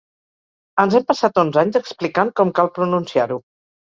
Ens hem passat onze anys explicant com cal pronunciar-ho.